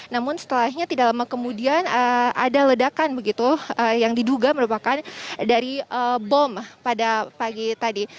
namun setelahnya tidak lama kemudian ada ledakan begitu yang diduga merupakan dari bom pada pagi tadi